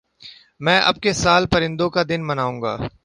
میں اب کے سال پرندوں کا دن مناؤں گا